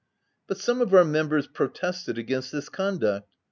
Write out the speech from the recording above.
But some of our members protested against this conduct.